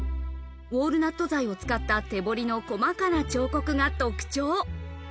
ウォールナット材を使った手彫りの細かな彫刻が特徴。